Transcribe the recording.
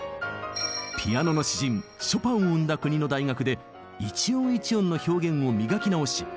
ピアノの詩人ショパンを生んだ国の大学で一音一音の表現を磨き直し